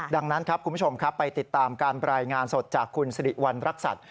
ดังนั้นครับคุณผู้ชมครับไปติดตามการรายงานสดจากคุณสิริวัณรักษัตริย